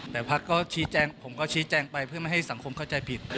แต่พักก็ชี้แจงผมก็ชี้แจงไปเพื่อไม่ให้สังคมเข้าใจผิด